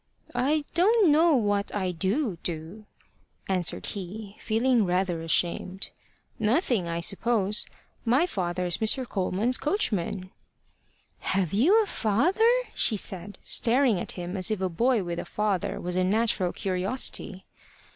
"I don't know what I do do," answered he, feeling rather ashamed. "Nothing, I suppose. My father's Mr. Coleman's coachman." "Have you a father?" she said, staring at him as if a boy with a father was a natural curiosity.